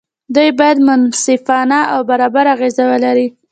دوی باید منصفانه او برابر اغېز ولري.